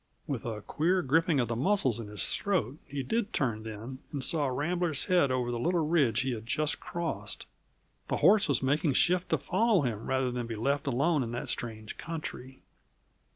With a queer gripping of the muscles in his throat he did turn, then, and saw Rambler's head over the little ridge he had just crossed. The horse was making shift to follow him rather than be left alone in that strange country.